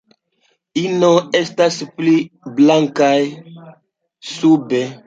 Inoj estas pli blankaj sube.